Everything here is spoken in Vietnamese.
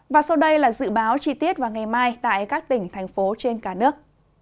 và sau đây là dự báo chi tiết vào ngày mai tại các tỉnh thành phố trên cả nước